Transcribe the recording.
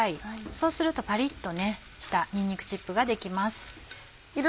そうするとパリっとしたにんにくチップが出来ます。